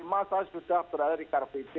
lima saya sudah berada di kpd